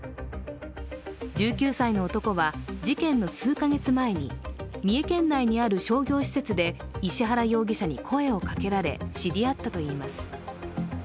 １９歳の男は、事件の数か月前に三重県内にある商業施設で石原容疑者に声をかけられ知り合ったといいます。